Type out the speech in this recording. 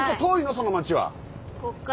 その町は。